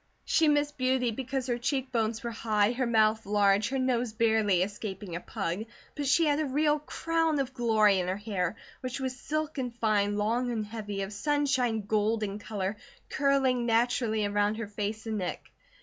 She missed beauty because her cheekbones were high, her mouth large, her nose barely escaping a pug; but she had a real "crown of glory" in her hair, which was silken fine, long and heavy, of sunshine gold in colour, curling naturally around her face and neck.